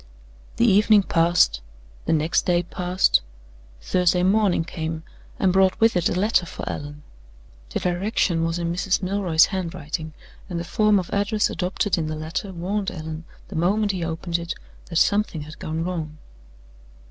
The evening passed; the next day passed; Thursday morning came, and brought with it a letter for Allan. The direction was in Mrs. Milroy's handwriting; and the form of address adopted in the letter warned Allan, the moment he opened it, that something had gone wrong.